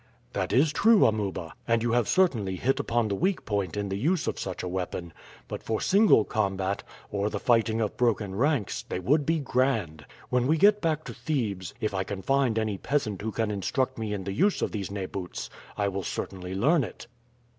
"That is true, Amuba, and you have certainly hit upon the weak point in the use of such a weapon; but for single combat, or the fighting of broken ranks, they would be grand. When we get back to Thebes if I can find any peasant who can instruct me in the use of these neboots I will certainly learn it."